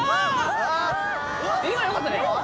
今よかったね。